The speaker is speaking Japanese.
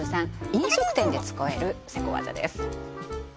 飲食店で使えるセコ技です